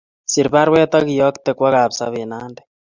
Ser baruet akiyokte kwa Kapsabet, Nandi